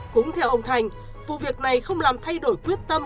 cũng theo ông thành vụ việc này không làm thay đổi quyết tâm